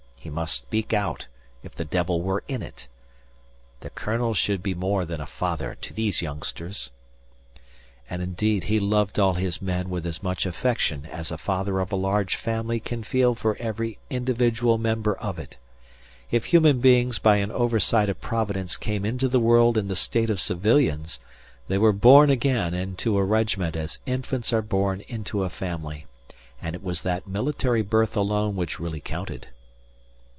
He must speak out, if the devil were in it. The colonel should be more than a father to these youngsters." And, indeed, he loved all his men with as much affection as a father of a large family can feel for every individual member of it. If human beings by an oversight of Providence came into the world in the state of civilians, they were born again into a regiment as infants are born into a family, and it was that military birth alone which really counted.